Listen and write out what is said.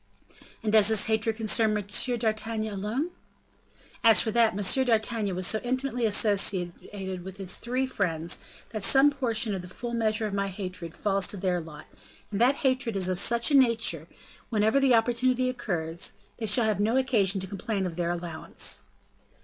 "And does this hatred concern M. d'Artagnan alone?" "As for that, M. d'Artagnan was so intimately associated with his three friends, that some portion of the full measure of my hatred falls to their lot, and that hatred is of such a nature, whenever the opportunity occurs, they shall have no occasion to complain of their allowance."